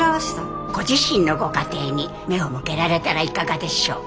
ご自身のご家庭に目を向けられたらいかがでしょう。